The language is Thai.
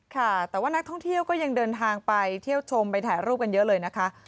ค่ะแต่ว่านักท่องเที่ยวก็ยังเดินทางไปเที่ยวชมไปถ่ายรูปกันเยอะเลยนะคะ